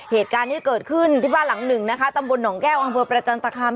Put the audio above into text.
เหตุการณ์ที่เกิดขึ้นที่บ้านหลังหนึ่งนะคะตำบลหนองแก้วอำเภอประจันตคาม